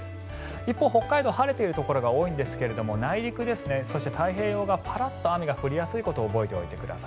一方、北海道は晴れているところが多いんですが内陸、そして太平洋側はパラッと雨が降りやすいことを覚えておいてください。